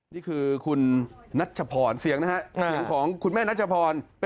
นี่แหละเดี๋ยวที่เจ้ารักแม่ของเจ้านะ